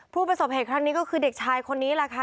ผู้ประสบเหตุครั้งนี้ก็คือเด็กชายคนนี้แหละค่ะ